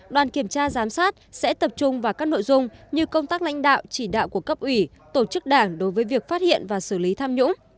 đoàn kiểm tra giám sát sẽ tập trung vào các nội dung như công tác lãnh đạo chỉ đạo của cấp ủy tổ chức đảng đối với việc phát hiện và xử lý tham nhũng